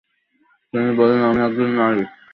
তিনি বললেনঃ আমি একজন নারী।